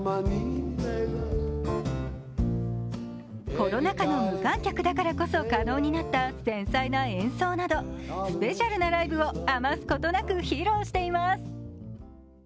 コロナ禍の無観客だからこそ可能になった繊細な映像などスペシャルなライブを余すことなく披露しています。